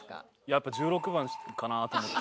やっぱ１６番かなと思って。